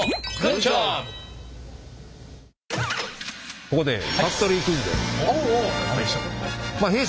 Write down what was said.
ここでファクトリークイズです。